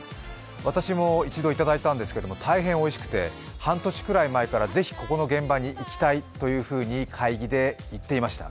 私も一度いただいたんですけど、大変おいしくて半年くらい前から、ぜひここの現場に行きたいと会議で言っていました。